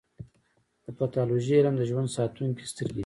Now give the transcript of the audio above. د پیتالوژي علم د ژوند ساتونکې سترګې دي.